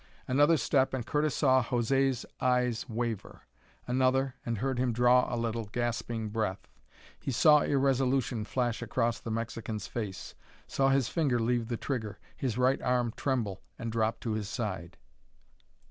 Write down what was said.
Another step, and Curtis saw José's eyes waver; another, and heard him draw a little, gasping breath. He saw irresolution flash across the Mexican's face, saw his finger leave the trigger, his right arm tremble, and drop to his side.